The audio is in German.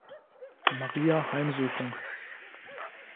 Maria Heimsuchung